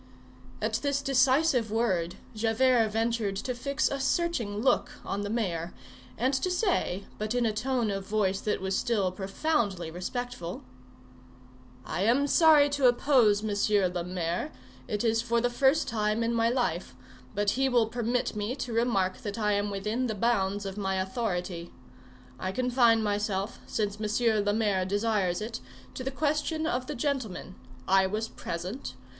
At this decisive word, Javert ventured to fix a searching look on the mayor and to say, but in a tone of voice that was still profoundly respectful:— "I am sorry to oppose Monsieur le Maire; it is for the first time in my life, but he will permit me to remark that I am within the bounds of my authority. I confine myself, since Monsieur le Maire desires it, to the question of the gentleman. I was present.